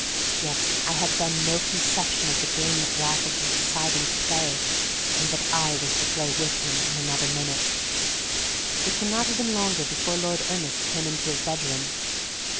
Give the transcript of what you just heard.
Yet I had then no conception of the game that Raffles was deciding to play, and that I was to play with him in another minute. It cannot have been longer before Lord Ernest came into his bedroom.